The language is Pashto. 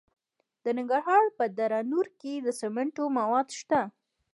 د ننګرهار په دره نور کې د سمنټو مواد شته.